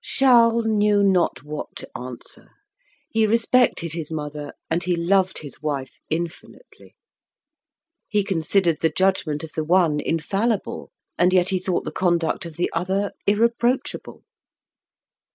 Charles knew not what to answer: he respected his mother, and he loved his wife infinitely; he considered the judgment of the one infallible, and yet he thought the conduct of the other irreproachable.